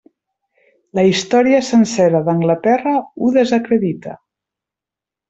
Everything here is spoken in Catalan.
La història sencera d'Anglaterra ho desacredita.